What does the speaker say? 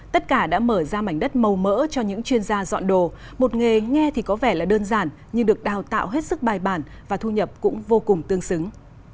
tất cả đã mở ra mảnh đất màu mỡ cho những chuyên gia dọn đồ một nghề nghe thì có vẻ là đơn giản nhưng được đào tạo hết sức bài bản và thu nhập cũng vô cùng tương xứng